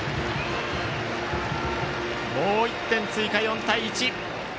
もう１点追加、４対１。